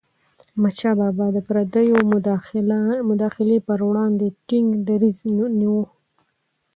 احمدشاه بابا به د پردیو مداخلي پر وړاندې ټينګ دریځ نیوه.